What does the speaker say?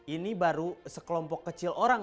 ini baru sekelompok kecil orang